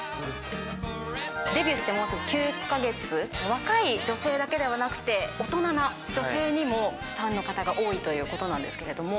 デビューしてもうすぐ９か月、若い女性だけではなくて、大人な女性にもファンの方が多いということなんですけれども。